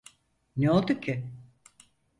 Ne oldu ki?